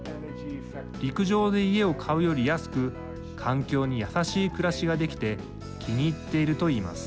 陸上で家を買うより安く環境に優しい暮らしができて気に入っていると言います。